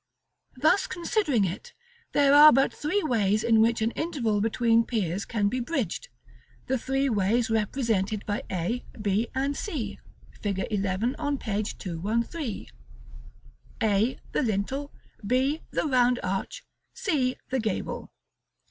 Thus considering it, there are but three ways in which an interval between piers can be bridged, the three ways represented by A, B, and C, Fig. XI., on page 213, A, the lintel; B, the round arch; C, the gable.